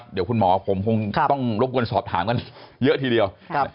เดี๋ยวคุณหมอผมคงต้องรบกวนสอบถามกันเยอะทีเดียว